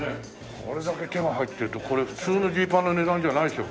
これだけ手が入ってるとこれ普通のジーパンの値段じゃないでしょ？